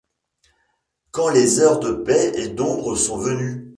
Quand les heures de paix et d’ombre sont venues